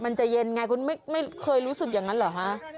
มันจะเย็นไงคุณไม่เคยรู้สึกอย่างนั้นเหรอฮะ